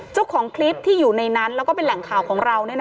เจ้าของคลิปที่อยู่ในนั้นแล้วก็เป็นแหล่งข่าวของเรา